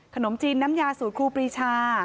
ขนมจีนน้ำยาสูตรครูปรีชา